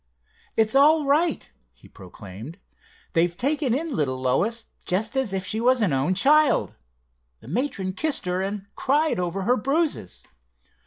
"It's all right," he proclaimed. "They've taken in little Lois, just as if she was an own child. The matron kissed her, and cried over her bruises.